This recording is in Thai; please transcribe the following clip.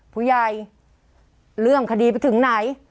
ผู้ใหญ่เรื่องคดีไปถึงไหน